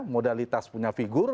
modalitas punya figur